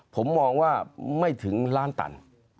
ผมมองว่าไม่ถึงล้านตัน